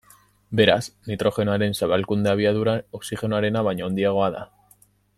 Beraz nitrogenoaren zabalkunde abiadura oxigenoaren baino handiago da.